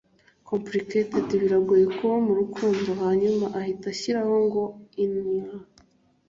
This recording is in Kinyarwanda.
complicated(biragoye kuba mu rukundo) hanyuma ahita ashyiraho ngo 'In a